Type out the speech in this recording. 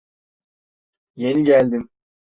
Yeni geldim.